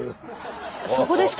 そこですか？